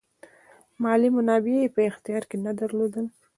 مالي منابع یې په اختیار کې نه درلودل.